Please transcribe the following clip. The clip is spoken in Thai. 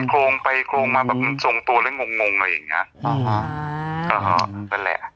มันโค้งไปโค้งมามันทรงตัวแล้วมองหน่อยเองอะ